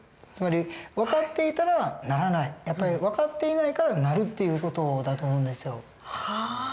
つまり分かっていたらならない分かっていないからなるっていう事だと思うんですよ。